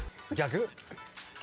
逆？